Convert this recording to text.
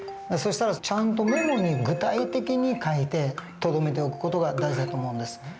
そしたらちゃんとメモに具体的に書いてとどめておく事が大事だと思うんです。